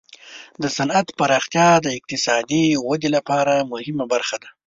د صنعت پراختیا د اقتصادي ودې لپاره مهمه برخه ده.